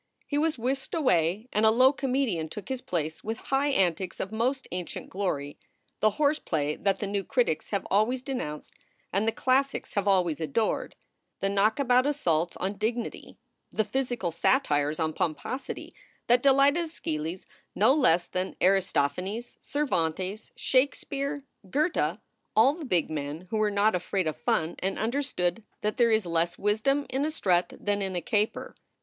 He was whisked away, and a low comedian took his place with high antics of most ancient glory, the horseplay that the new critics have always denounced and the classics have always adored: the knock about assaults on dignity, the physical satires on pomposity that delighted ^Eschylus no less than Aristophanes, Cervantes, Shake 178 SOULS FOR SALE speare, Goethe, all the big men who were not afraid of fun and understood that there is less wisdom in a strut than in a caper.